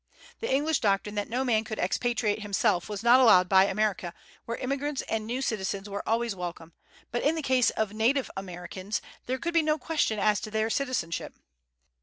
The English doctrine that no man could expatriate himself was not allowed by America, where immigrants and new citizens were always welcome; but in the case of native Americans there could be no question as to their citizenship.